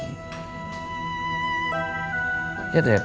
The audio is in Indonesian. tapi mama gak pernah marah tuh